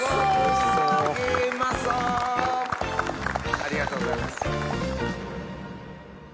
ありがとうございます。